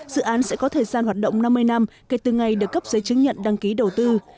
dự án sẽ có thời gian hoạt động năm mươi năm kể từ ngày được cấp giấy chứng nhận đăng ký đầu tư